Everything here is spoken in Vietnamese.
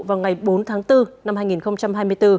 vào ngày bốn tháng bốn năm hai nghìn hai mươi bốn